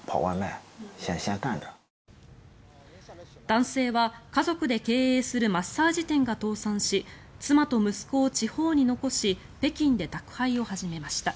男性は家族で経営するマッサージ店が倒産し妻と息子を地方に残し北京で宅配を始めました。